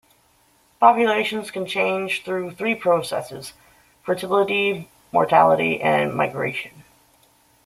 Populations can change through three processes: fertility, mortality, and migration.